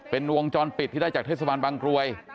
เป็นวงจรปิดที่ได้จากเทศบาลบางกรวย